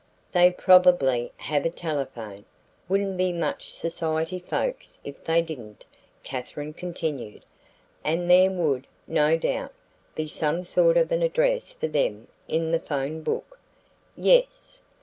"They probably have a telephone; wouldn't be much society folks if they didn't," Katherine continued; "and there would, no doubt, be some sort of address for them in the 'phone book." "Yes."